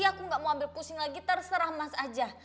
aku gak mau ambil pusing lagi terserah emas aja